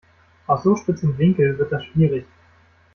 Aus so spitzem Winkel wird das schwierig.